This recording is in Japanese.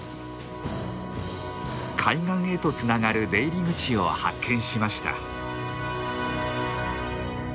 海岸へとつながる出入り口を発見しました。